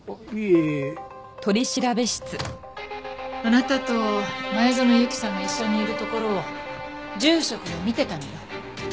あなたと前園由紀さんが一緒にいるところを住職が見てたのよ。